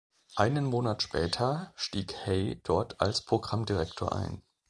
Einen Monat später stieg Hay dort als Programmdirektor ein.